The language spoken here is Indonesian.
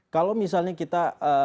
kalau misalnya kita